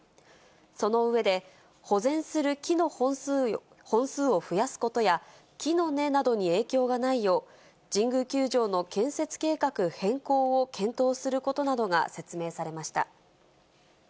その上で、保全する木の本数を増やすことや、木の根などに影響がないよう、神宮球場の建設計画変更を検討することなどが説明されました。